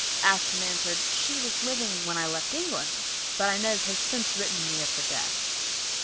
Ashton answered, "She was living when I left England, but Inez has since written me of her death."